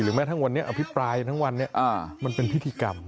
แม้ทั้งวันนี้อภิปรายทั้งวันนี้มันเป็นพิธีกรรม